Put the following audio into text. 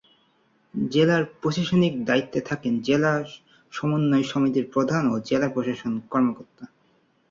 জেলার প্রশাসনিক দায়িত্বে থাকেন জেলা সমন্বয় সমিতির প্রধান ও জেলা প্রশাসন কর্মকর্তা।